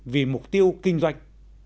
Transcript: vì mục tiêu kinh doanh